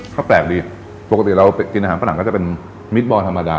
ก็แปลกดีปกติเรากินอาหารฝรั่งก็จะเป็นมิดบอลธรรมดา